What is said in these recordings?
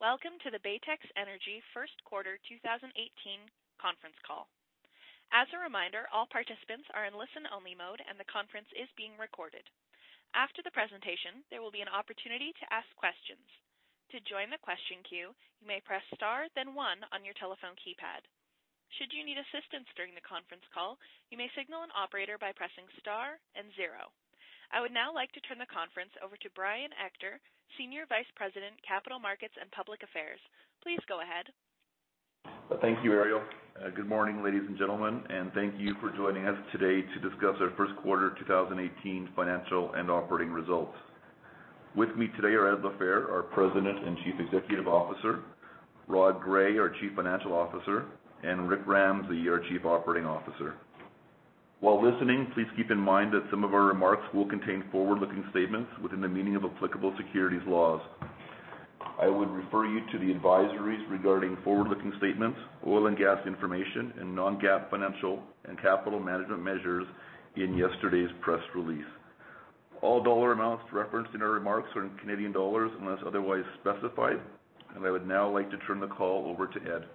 Welcome to the Baytex Energy first quarter 2018 conference call. As a reminder, all participants are in listen-only mode, and the conference is being recorded. After the presentation, there will be an opportunity to ask questions. To join the question queue, you may press star then one on your telephone keypad. Should you need assistance during the conference call, you may signal an operator by pressing star and zero. I would now like to turn the conference over to Brian Ector, Senior Vice President, Capital Markets and Public Affairs. Please go ahead. Thank you, Ariel. Good morning, ladies and gentlemen, and thank you for joining us today to discuss our first quarter 2018 financial and operating results. With me today are Ed LaFehr, our President and Chief Executive Officer, Rod Gray, our Chief Financial Officer, and Rick Ramsey, our Chief Operating Officer. While listening, please keep in mind that some of our remarks will contain forward-looking statements within the meaning of applicable securities laws. I would refer you to the advisories regarding forward-looking statements, oil and gas information, and non-GAAP financial and capital management measures in yesterday's press release. All dollar amounts referenced in our remarks are in Canadian dollars unless otherwise specified, and I would now like to turn the call over to Ed.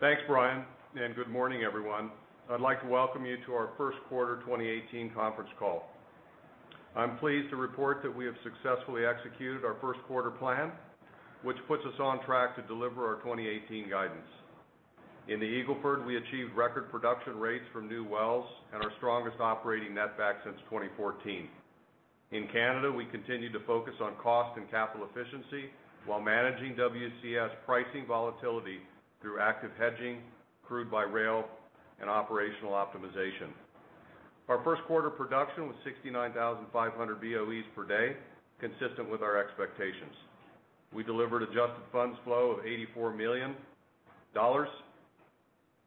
Thanks, Brian, and good morning, everyone. I'd like to welcome you to our first quarter 2018 conference call. I'm pleased to report that we have successfully executed our first quarter plan, which puts us on track to deliver our 2018 guidance. In the Eagle Ford, we achieved record production rates from new wells and our strongest operating netback since 2014. In Canada, we continued to focus on cost and capital efficiency while managing WCS pricing volatility through active hedging, crude by rail, and operational optimization. Our first quarter production was 69,500 BOEs per day, consistent with our expectations. We delivered adjusted funds flow of $84 million,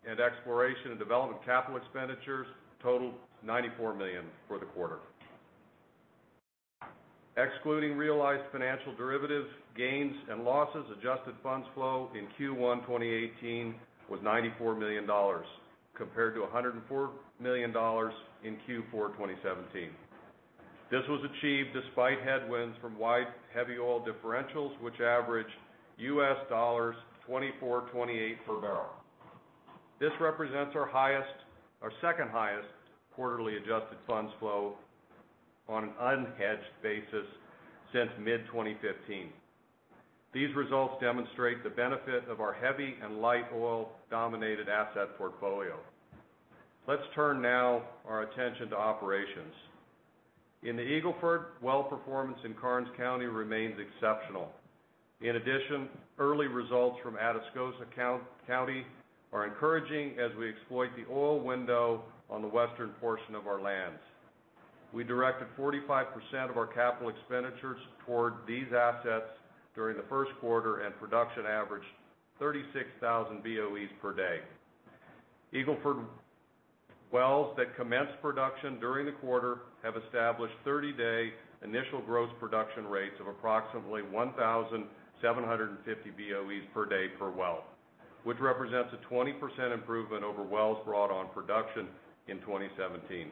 and exploration and development capital expenditures totaled $94 million for the quarter. Excluding realized financial derivative gains and losses, adjusted funds flow in Q1 2018 was $94 million, compared to $104 million in Q4 2017. This was achieved despite headwinds from wide heavy oil differentials, which averaged $24-$28 per barrel. This represents our highest, our second-highest quarterly adjusted funds flow on an unhedged basis since mid-2015. These results demonstrate the benefit of our heavy-and-light oil-dominated asset portfolio. Let's turn now our attention to operations. In the Eagle Ford, well performance in Karnes County remains exceptional. In addition, early results from Atascosa County are encouraging as we exploit the oil window on the western portion of our lands. We directed 45% of our capital expenditures toward these assets during the first quarter, and production averaged 36,000 BOEs per day. Eagle Ford wells that commenced production during the quarter have established 30-day initial gross production rates of approximately 1,750 BOEs per day per well, which represents a 20% improvement over wells brought on production in 2017.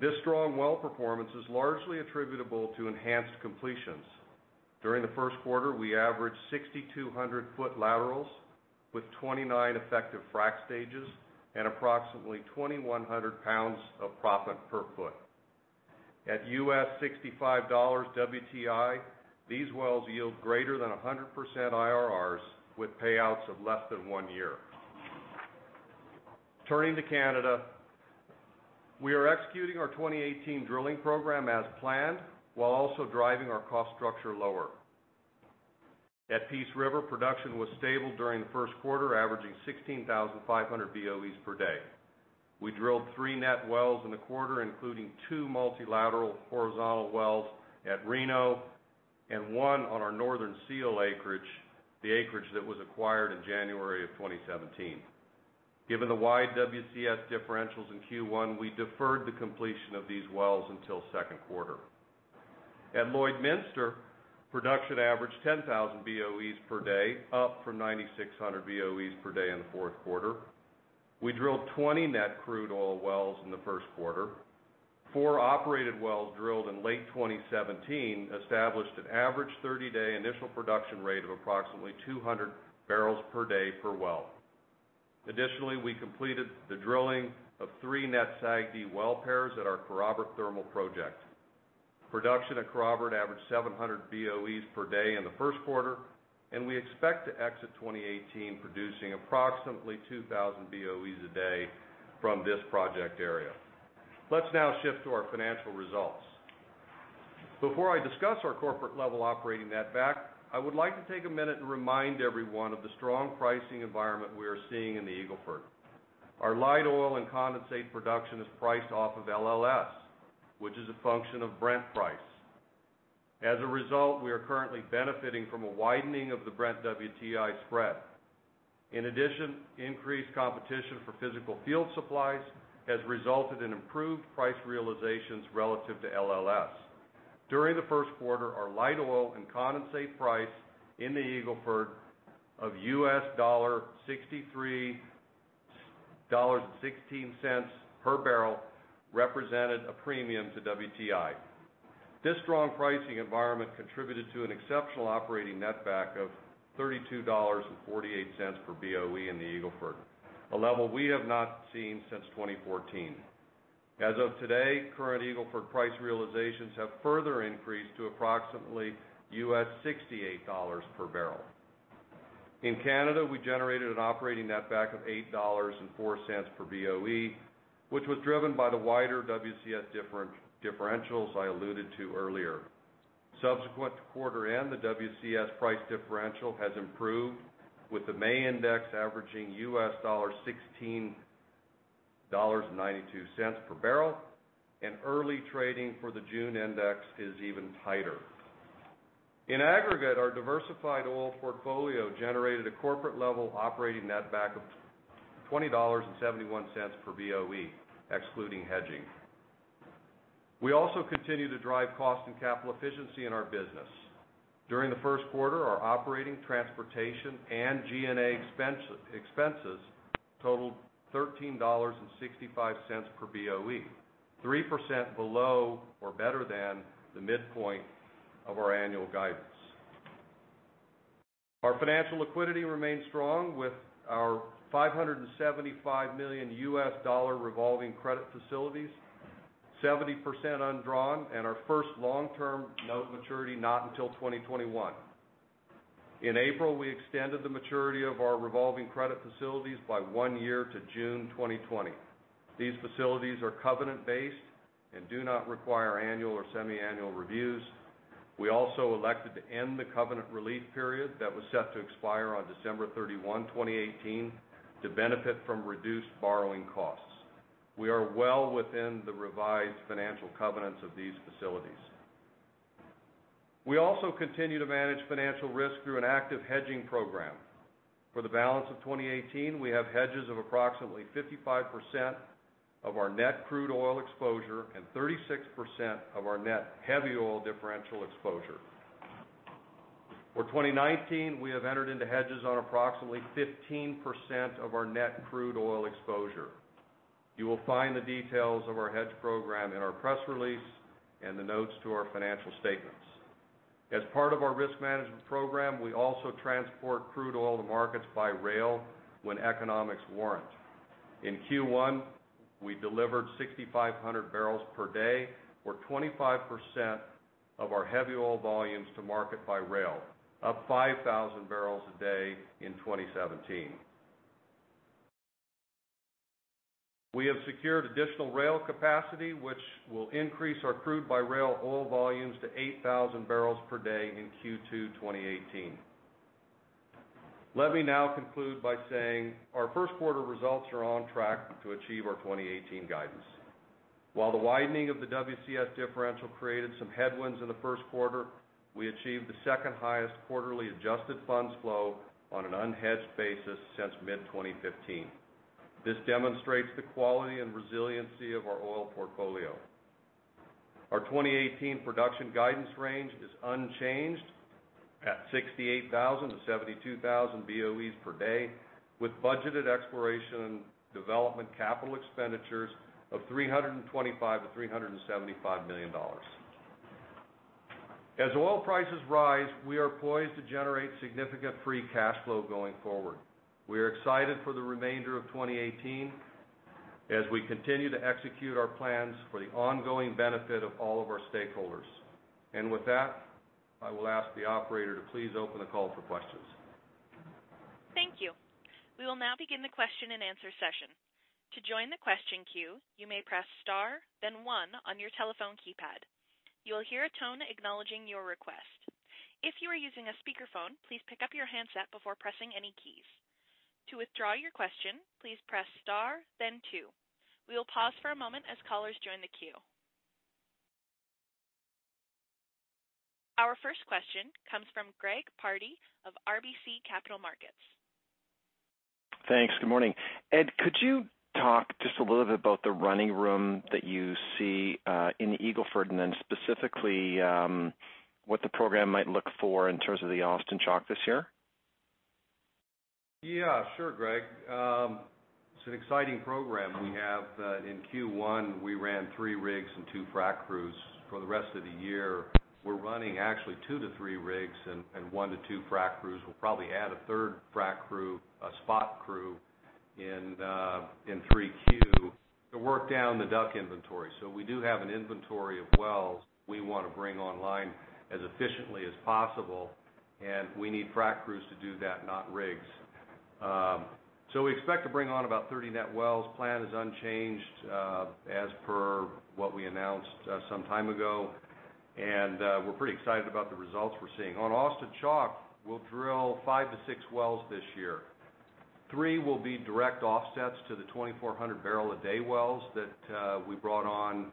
This strong well performance is largely attributable to enhanced completions. During the first quarter, we averaged 6,200-foot laterals with 29 effective frack stages and approximately 2,100 pounds of proppant per foot. At $65 WTI, these wells yield greater than 100% IRRs, with payouts of less than one year. Turning to Canada, we are executing our 2018 drilling program as planned, while also driving our cost structure lower. At Peace River, production was stable during the first quarter, averaging 16,500 BOEs per day. We drilled three net wells in the quarter, including two multilateral horizontal wells at Reno and one on our Northern Seal acreage, the acreage that was acquired in January of 2017. Given the wide WCS differentials in Q1, we deferred the completion of these wells until second quarter. At Lloydminster, production averaged 10,000 BOEs per day, up from 9,600 BOEs per day in the fourth quarter. We drilled 20 net crude oil wells in the first quarter. Four operated wells drilled in late 2017 established an average 30-day initial production rate of approximately 200 barrels per day per well. Additionally, we completed the drilling of three net SAGD well pairs at our Karrobert Thermal Project. Production at Karrobert averaged 700 BOEs per day in the first quarter, and we expect to exit 2018 producing approximately 2,000 BOEs a day from this project area. Let's now shift to our financial results. Before I discuss our corporate-level operating netback, I would like to take a minute and remind everyone of the strong pricing environment we are seeing in the Eagle Ford. Our light oil and condensate production is priced off of LLS, which is a function of Brent price. As a result, we are currently benefiting from a widening of the Brent WTI spread. In addition, increased competition for physical fuel supplies has resulted in improved price realizations relative to LLS. During the first quarter, our light oil and condensate price in the Eagle Ford of $63.16 per barrel represented a premium to WTI. This strong pricing environment contributed to an exceptional operating netback of $32.48 per BOE in the Eagle Ford, a level we have not seen since 2014. As of today, current Eagle Ford price realizations have further increased to approximately $68 per barrel. In Canada, we generated an operating netback of $8.04 per BOE, which was driven by the wider WCS differentials I alluded to earlier. Subsequent to quarter end, the WCS price differential has improved, with the May index averaging $16.92 per barrel, and early trading for the June index is even tighter. In aggregate, our diversified oil portfolio generated a corporate level operating netback of $20.71 per BOE, excluding hedging. We also continue to drive cost and capital efficiency in our business. During the first quarter, our operating, transportation, and G&A expenses totaled $13.65 per BOE, 3% below or better than the midpoint of our annual guidance. Our financial liquidity remains strong, with our $575 million revolving credit facilities, 70% undrawn, and our first long-term note maturity not until 2021. In April, we extended the maturity of our revolving credit facilities by one year to June 2020. These facilities are covenant-based and do not require annual or semiannual reviews. We also elected to end the covenant relief period that was set to expire on December 31, 2018, to benefit from reduced borrowing costs. We are well within the revised financial covenants of these facilities. We also continue to manage financial risk through an active hedging program. For the balance of 2018, we have hedges of approximately 55% of our net crude oil exposure and 36% of our net heavy oil differential exposure. For 2019, we have entered into hedges on approximately 15% of our net crude oil exposure. You will find the details of our hedge program in our press release and the notes to our financial statements. As part of our risk management program, we also transport crude oil to markets by rail when economics warrant. In Q1, we delivered 6,500 barrels per day, or 25% of our heavy oil volumes to market by rail, up 5,000 barrels a day in 2017. We have secured additional rail capacity, which will increase our crude by rail oil volumes to 8,000 barrels per day in Q2, 2018. Let me now conclude by saying our first quarter results are on track to achieve our 2018 guidance. While the widening of the WCS differential created some headwinds in the first quarter, we achieved the second highest quarterly adjusted funds flow on an unhedged basis since mid-2015. This demonstrates the quality and resiliency of our oil portfolio. Our 2018 production guidance range is unchanged at 68,000-72,000 BOEs per day, with budgeted exploration and development capital expenditures of $325-$375 million. As oil prices rise, we are poised to generate significant free cash flow going forward. We are excited for the remainder of 2018 as we continue to execute our plans for the ongoing benefit of all of our stakeholders, and with that, I will ask the operator to please open the call for questions. Thank you. We will now begin the question-and-answer session. To join the question queue, you may press star, then one on your telephone keypad. You will hear a tone acknowledging your request. If you are using a speakerphone, please pick up your handset before pressing any keys. To withdraw your question, please press star then two. We will pause for a moment as callers join the queue. Our first question comes from Greg Pardy of RBC Capital Markets. Thanks. Good morning. Ed, could you talk just a little bit about the running room that you see in the Eagle Ford, and then specifically what the program might look for in terms of the Austin Chalk this year? Yeah, sure, Greg. It's an exciting program we have. In Q1, we ran three rigs and two frack crews. For the rest of the year, we're running actually two to three rigs and one to two frack crews. We'll probably add a third frack crew, a spot crew in 3Q to work down the DUC inventory. So we do have an inventory of wells we want to bring online as efficiently as possible, and we need frack crews to do that, not rigs. So we expect to bring on about 30 net wells. Plan is unchanged, as per what we announced some time ago, and we're pretty excited about the results we're seeing. On Austin Chalk, we'll drill five to six wells this year. Three will be direct offsets to the twenty-four hundred barrel a day wells that we brought on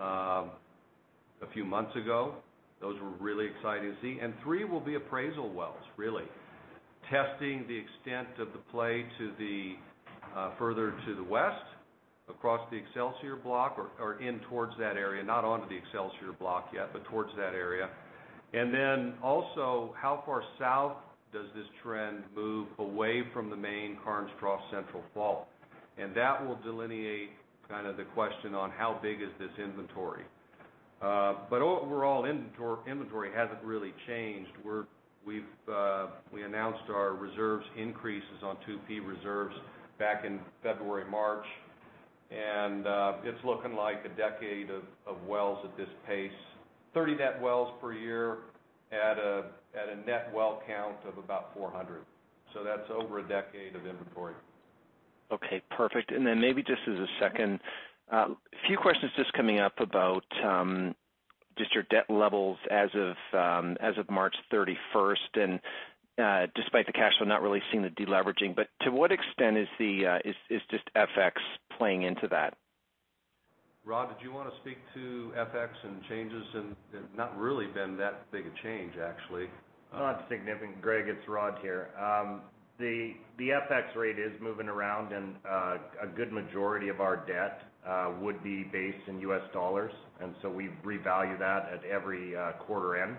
a few months ago. Those we're really excited to see. And three will be appraisal wells, really, testing the extent of the play to the further to the west across the Excelsior block or in towards that area, not onto the Excelsior block yet, but towards that area. And then also, how far south does this trend move away from the main Karnes Trough Central Fault? And that will delineate kind of the question on how big is this inventory. But overall, inventory hasn't really changed. We announced our reserves increases on 2P reserves back in February, March, and it's looking like a decade of wells at this pace, 30 net wells per year at a net well count of about 400. So that's over a decade of inventory. Okay, perfect. And then maybe just as a second, a few questions just coming up about, just your debt levels as of March thirty-first, and, despite the cash flow, not really seeing the deleveraging. But to what extent is the, is just FX playing into that? Rod, did you wanna speak to FX and changes, and not really been that big a change, actually? Not significant. Greg, it's Rod here. The FX rate is moving around, and a good majority of our debt would be based in U.S. dollars, and so we revalue that at every quarter end,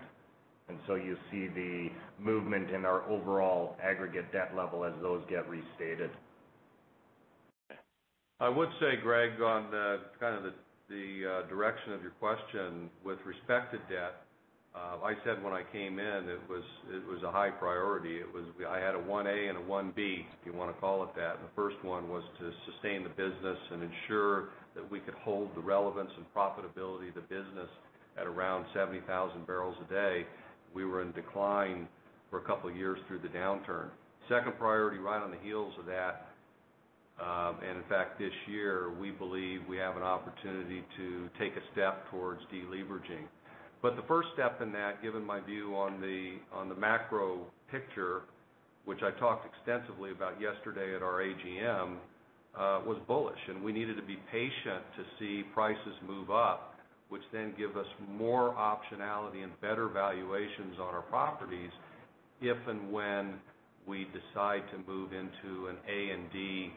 and so you see the movement in our overall aggregate debt level as those get restated. I would say, Greg, on the kind of direction of your question, with respect to debt, I said when I came in, it was a high priority. It was. I had a one A and a one B, if you wanna call it that. The first one was to sustain the business and ensure that we could hold the relevance and profitability of the business at around 70,000 barrels a day. We were in decline for a couple of years through the downturn. Second priority, right on the heels of that, and in fact, this year, we believe we have an opportunity to take a step towards deleveraging. But the first step in that, given my view on the macro picture, which I talked extensively about yesterday at our AGM, was bullish, and we needed to be patient to see prices move up, which then give us more optionality and better valuations on our properties, if and when we decide to move into an A and D,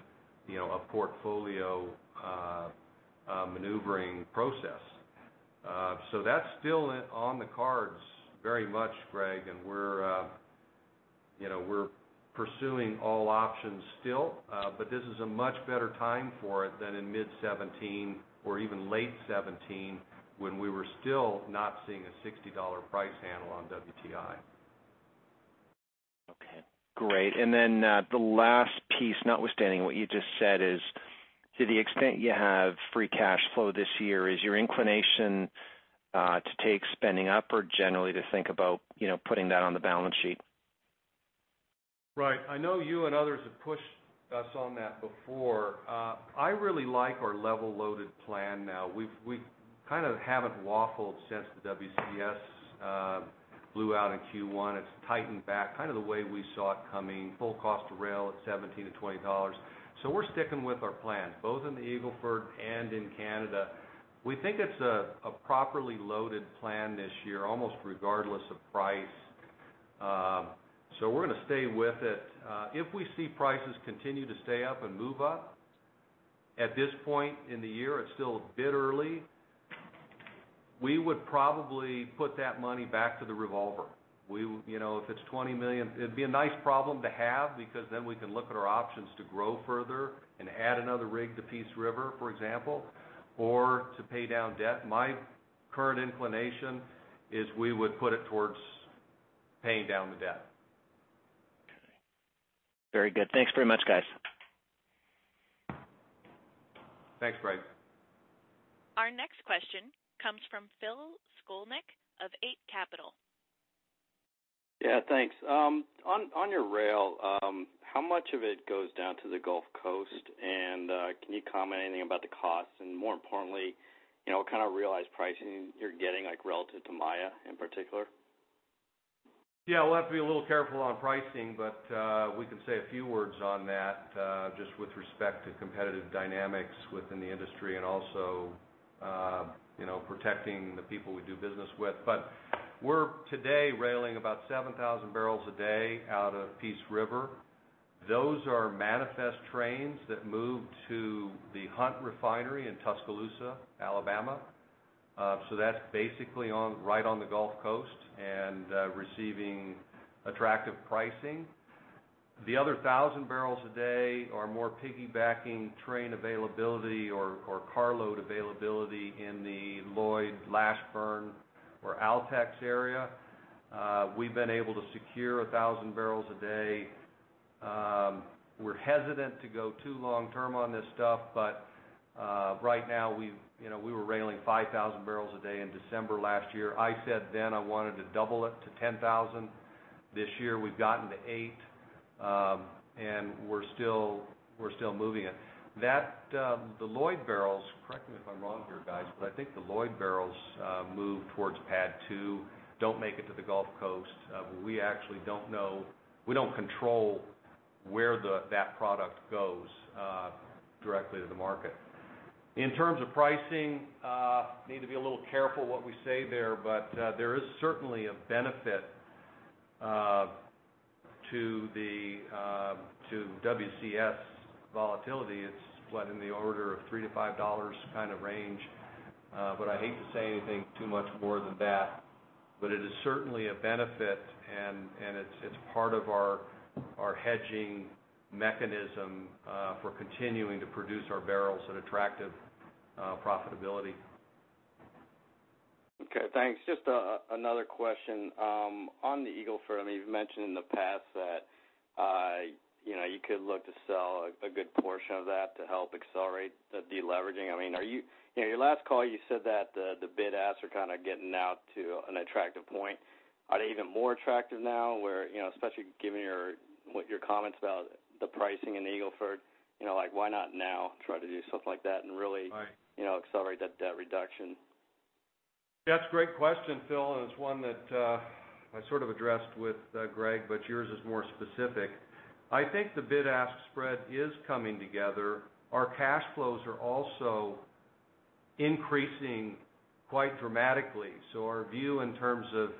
you know, a portfolio maneuvering process. So that's still on the cards very much, Greg, and you know, we're pursuing all options still, but this is a much better time for it than in mid-2017 or even late 2017, when we were still not seeing a $60 price handle on WTI. Okay, great. And then, the last piece, notwithstanding what you just said, is to the extent you have free cash flow this year, is your inclination to take spending up or generally to think about, you know, putting that on the balance sheet? Right. I know you and others have pushed us on that before. I really like our level-loaded plan now. We kind of haven't waffled since the WCS blew out in Q1. It's tightened back, kind of the way we saw it coming, full cost to rail at $17-$20. So we're sticking with our plan, both in the Eagle Ford and in Canada. We think it's a properly loaded plan this year, almost regardless of price. So we're gonna stay with it. If we see prices continue to stay up and move up, at this point in the year, it's still a bit early, we would probably put that money back to the revolver. We, you know, if it's 20 million, it'd be a nice problem to have because then we can look at our options to grow further and add another rig to Peace River, for example, or to pay down debt. My current inclination is we would put it towards paying down the debt. Okay. Very good. Thanks very much, guys. Thanks, Greg. Our next question comes from Phil Skolnick of Eight Capital. Yeah, thanks. On your rail, how much of it goes down to the Gulf Coast? And can you comment anything about the costs? And more importantly, you know, what kind of realized pricing you're getting, like, relative to Maya in particular? Yeah, we'll have to be a little careful on pricing, but we can say a few words on that, just with respect to competitive dynamics within the industry and also, you know, protecting the people we do business with. But we're today railing about 7,000 barrels a day out of Peace River. Those are manifest trains that move to the Hunt Refinery in Tuscaloosa, Alabama. So that's basically on, right on the Gulf Coast, and receiving attractive pricing. The other 1,000 barrels a day are more piggybacking train availability or carload availability in the Lloydminster, Lashburn, or Altex area. We've been able to secure 1,000 barrels a day. We're hesitant to go too long term on this stuff, but right now, we've, you know, we were railing 5,000 barrels a day in December last year. I said then I wanted to double it to ten thousand. This year, we've gotten to eight, and we're still moving it. That, the Lloydminster barrels, correct me if I'm wrong here, guys, but I think the Lloydminster barrels move towards PADD 2, don't make it to the Gulf Coast. We actually don't know. We don't control where that product goes directly to the market. In terms of pricing, need to be a little careful what we say there, but there is certainly a benefit to the WCS volatility, it's what? In the order of $3-$5 kind of range. I hate to say anything too much more than that, but it is certainly a benefit, and it's part of our hedging mechanism for continuing to produce our barrels at attractive profitability. Okay, thanks. Just another question. On the Eagle Ford, I mean, you've mentioned in the past that you know, you could look to sell a good portion of that to help accelerate the deleveraging. I mean, are you-- in your last call, you said that the bid asks are kind of getting out to an attractive point. Are they even more attractive now, where you know, especially given your-- what your comments about the pricing in Eagle Ford, you know, like, why not now try to do something like that and really- Right. you know, accelerate that debt reduction? That's a great question, Phil, and it's one that I sort of addressed with Greg, but yours is more specific. I think the bid ask spread is coming together. Our cash flows are also increasing quite dramatically. So our view in terms of,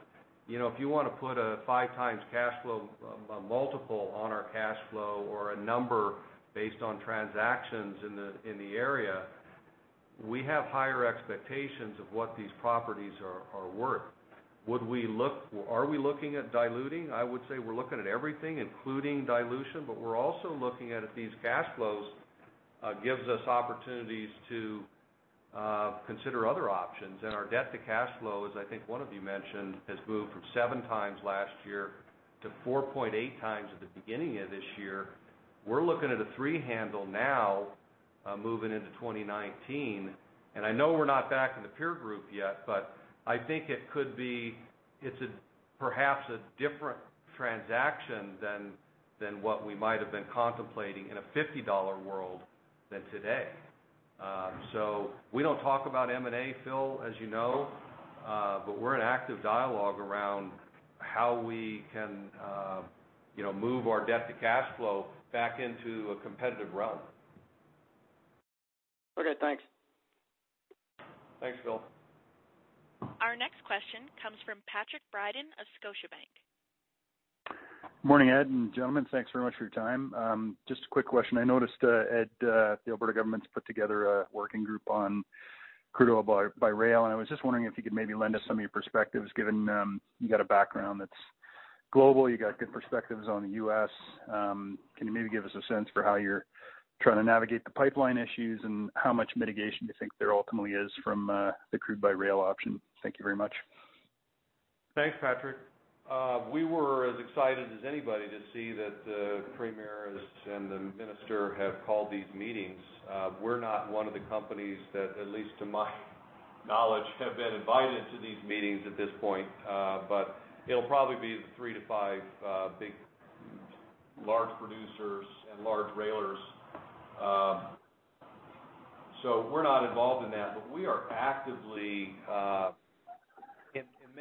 you know, if you wanna put a five times cash flow, a multiple on our cash flow or a number based on transactions in the area, we have higher expectations of what these properties are worth. Are we looking at diluting? I would say we're looking at everything, including dilution, but we're also looking at if these cash flows gives us opportunities to consider other options. And our debt to cash flow, as I think one of you mentioned, has moved from seven times last year to four point eight times at the beginning of this year. We're looking at a three handle now, moving into twenty nineteen, and I know we're not back in the peer group yet, but I think it could be. It's a, perhaps a different transaction than what we might have been contemplating in a fifty dollar world than today. So we don't talk about M&A, Phil, as you know, but we're in active dialogue around how we can, you know, move our debt to cash flow back into a competitive run. Okay, thanks. Thanks, Phil. Our next question comes from Patrick Bryden of Scotiabank. Morning, Ed and gentlemen, thanks very much for your time. Just a quick question. I noticed, Ed, the Alberta government's put together a working group on crude oil by rail, and I was just wondering if you could maybe lend us some of your perspectives, given, you got a background that's global, you got good perspectives on the U.S. Can you maybe give us a sense for how you're trying to navigate the pipeline issues and how much mitigation you think there ultimately is from, the crude by rail option? Thank you very much. Thanks, Patrick. We were as excited as anybody to see that the Premier and the Minister have called these meetings. We're not one of the companies that, at least to my knowledge, have been invited to these meetings at this point. But it'll probably be the three to five big, large producers and large railers. So we're not involved in that, but we are actively in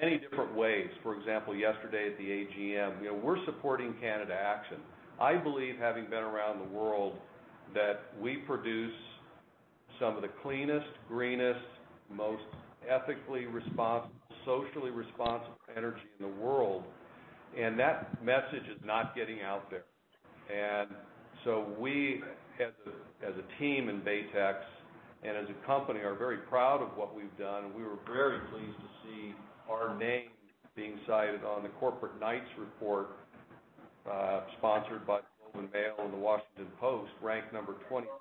many different ways. For example, yesterday at the AGM, you know, we're supporting Canada Action. I believe, having been around the world, that we produce some of the cleanest, greenest, most ethically responsible, socially responsible energy in the world, and that message is not getting out there. So we, as a team in Baytex and as a company, are very proud of what we've done. We were very pleased to see our name being cited on the Corporate Knights report, sponsored by The Globe and Mail and The Washington Post, ranked number 26,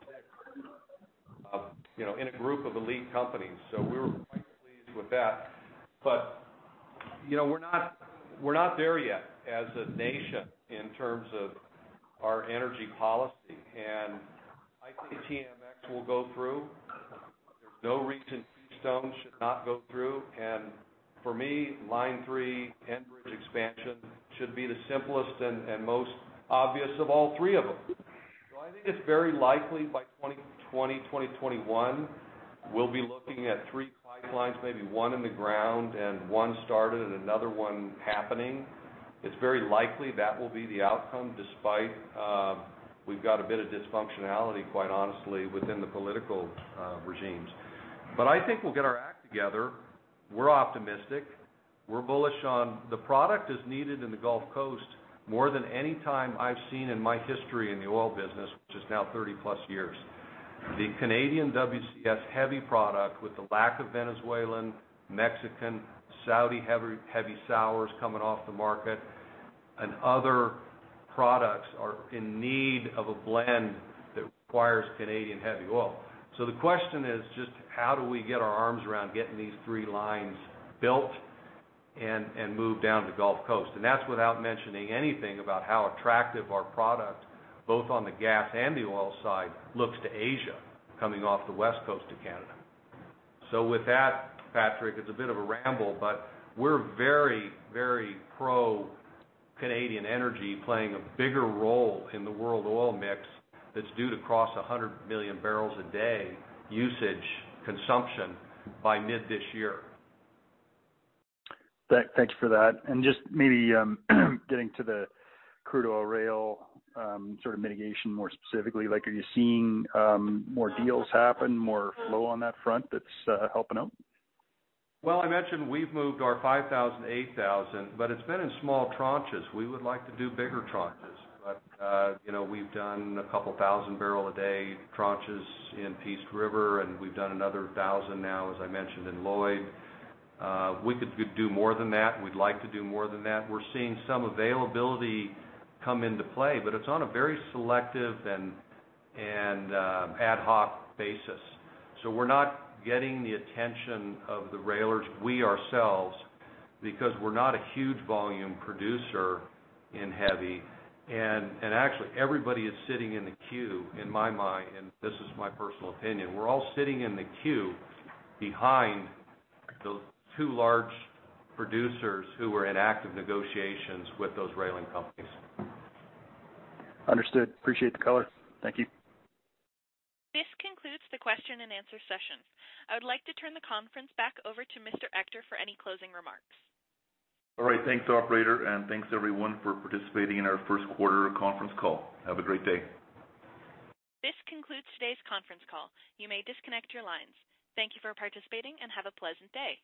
you know, in a group of elite companies. So we were quite pleased with that. But, you know, we're not, we're not there yet as a nation in terms of our energy policy, and I think TMX will go through. There's no reason Keystone should not go through, and for me, Line 3, Enbridge expansion should be the simplest and most obvious of all three of them, so I think it's very likely by 2020, 2021, we'll be looking at three pipelines, maybe one in the ground and one started and another one happening. It's very likely that will be the outcome, despite, we've got a bit of dysfunctionality, quite honestly, within the political regimes. I think we'll get our act together. We're optimistic. We're bullish on the product is needed in the Gulf Coast more than any time I've seen in my history in the oil business, which is now thirty-plus years. The Canadian WCS heavy product, with the lack of Venezuelan, Mexican, Saudi heavy sours coming off the market and other products, are in need of a blend that requires Canadian heavy oil. The question is just how do we get our arms around getting these three lines built and moved down to the Gulf Coast. That's without mentioning anything about how attractive our product, both on the gas and the oil side, looks to Asia, coming off the west coast of Canada. So with that, Patrick, it's a bit of a ramble, but we're very, very pro Canadian energy, playing a bigger role in the world oil mix that's due to cross a hundred million barrels a day usage consumption by mid this year. Thanks for that. And just maybe getting to the crude oil rail sort of mitigation more specifically, like, are you seeing more deals happen, more flow on that front that's helping out? I mentioned we've moved our 5,000, 8,000, but it's been in small tranches. We would like to do bigger tranches, but, you know, we've done a couple thousand barrel a day tranches in Peace River, and we've done another 1,000 now, as I mentioned, in Lloydminster. We could do more than that. We'd like to do more than that. We're seeing some availability come into play, but it's on a very selective and ad hoc basis. We're not getting the attention of the railers, we ourselves, because we're not a huge volume producer in heavy. Actually, everybody is sitting in the queue, in my mind, and this is my personal opinion. We're all sitting in the queue behind those two large producers who are in active negotiations with those railing companies. Understood. Appreciate the color. Thank you. This concludes the question and answer session. I would like to turn the conference back over to Mr. Ector for any closing remarks. All right, thanks, operator, and thanks everyone for participating in our first quarter conference call. Have a great day. This concludes today's conference call. You may disconnect your lines. Thank you for participating and have a pleasant day.